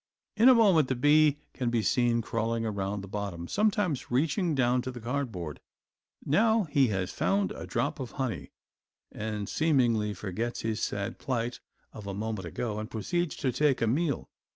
In a moment the bee can be seen crawling around the bottom, sometimes reaching down to the cardboard. Now he has found a drop of the honey and seemingly forgets his sad plight of a moment ago and proceeds to take a meal.